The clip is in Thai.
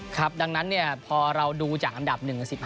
ครับดังนั้นเนี่ยพอเราดูจากอันดับ๑๑๕